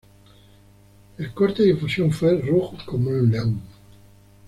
El corte difusión fue "Ruge como un león".